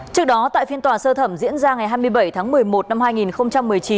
trước đó tại phiên tòa sơ thẩm diễn ra ngày hai mươi bảy tháng một mươi một năm hai nghìn một mươi chín